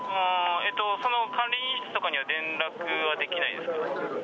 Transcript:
その管理人室とかには連絡はできないんですか。